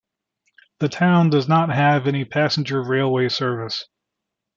The town does not have any passenger railway service.